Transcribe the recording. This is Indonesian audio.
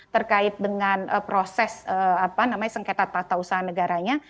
terkait dengan proses apa namanya sengketa tata usaha negaranya